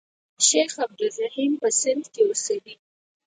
شیخ عبدالرحیم په سند کې اوسېدی.